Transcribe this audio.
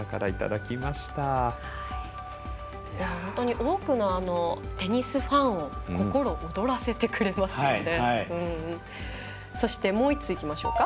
多くのテニスファンの心躍らせてくれますよね。